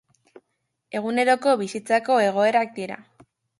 Eguneroko bizitzako egoerak dira.